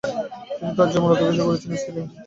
তিনি তার যৌবন অতিবাহিত করেছিলেন সিরিয়ার হোমসে।